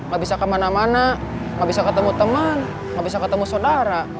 gak bisa kemana mana nggak bisa ketemu teman nggak bisa ketemu saudara